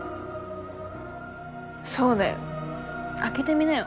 そうだよ開けてみなよ。